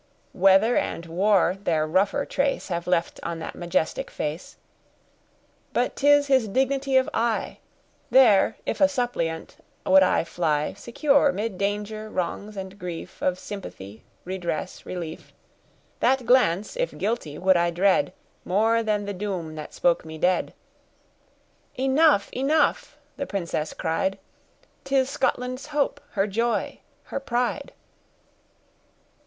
Weather and war their rougher trace Have left on that majestic face; But 'tis his dignity of eye! There, if a suppliant, would I fly, Secure, 'mid danger, wrongs, and grief, Of sympathy, redress, relief— That glance, if guilty, would I dread More than the doom that spoke me dead." "Enough, enough!" the princess cried, "'Tis Scotland's hope, her joy, her pride!"